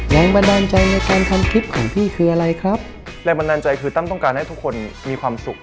แรงบันดาลใจคือต้องการให้ทุกคนมีความสุข